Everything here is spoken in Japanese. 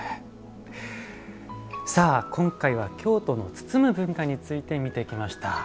今回は京都の包む文化について見てきました。